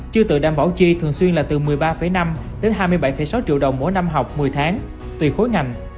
chưa tự đảm bảo chi thường xuyên là từ một mươi ba năm đến hai mươi bảy sáu triệu đồng mỗi năm học một mươi tháng tùy khối ngành